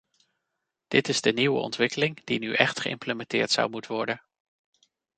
Dit is de nieuwe ontwikkeling die nu echt geïmplementeerd zou moet worden.